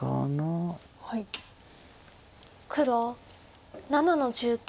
黒７の十九。